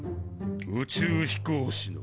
宇宙飛行士の。